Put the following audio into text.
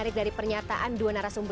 tidak pamer yang seharusnya